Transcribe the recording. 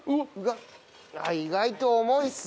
あっ意外と重いっすね。